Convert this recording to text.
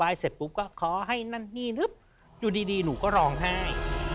เสร็จปุ๊บก็ขอให้นั่นนี่นึกอยู่ดีดีหนูก็ร้องไห้